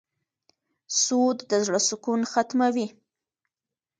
سود د زړه سکون ختموي.